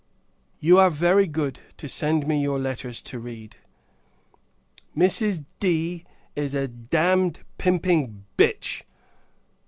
You are very good, to send me your letters to read. Mrs. D is a damned pimping bitch!